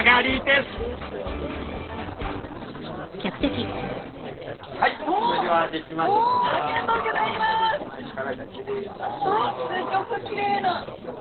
すギョくきれいな。